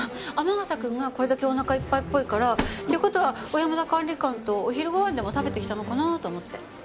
天笠くんがこれだけおなかいっぱいっぽいからっていう事は小山田管理官とお昼ご飯でも食べてきたのかなと思って。